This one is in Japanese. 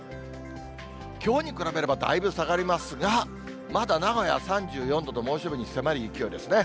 きょうに比べればだいぶ下がりますが、まだ名古屋３４度と、猛暑日に迫る勢いですね。